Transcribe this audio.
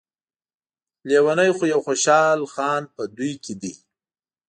لیونی خو يو خوشحال خان په دوی کې دی.